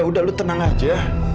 udah lu tenang aja